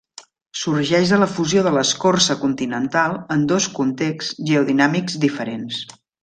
Sorgeix de la fusió de l'escorça continental en dos contexts geodinàmics diferents.